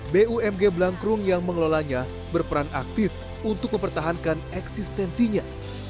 bumg blangkrung yang mengelolanya berperan aktif untuk mempertahankan eksistensinya